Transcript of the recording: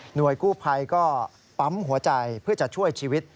หน่วยกู้ไผ่ก็ปั๊มหัวใจเพื่อจะช่วยชีวิต